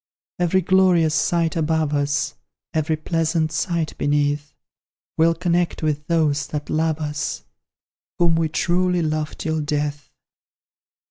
Every glorious sight above us, Every pleasant sight beneath, We'll connect with those that love us, Whom we truly love till death!